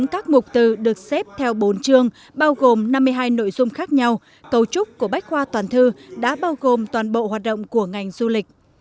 cấu trúc của bách khoa toàn thư đã bao gồm toàn bộ hoạt động của ngành du lịch